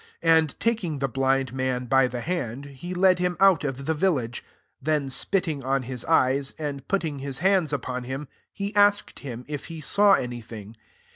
23 And taking the blind man by the hand, he led him out of the village : then spitting on his eyes, and putting his hunds upon him, he asked him if he saw any thing.